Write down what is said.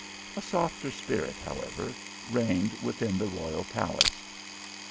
A softer spirit, however, reigned within the royal palace.